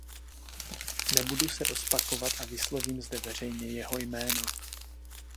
Nebudu se rozpakovat a vyslovím zde veřejně jeho jméno.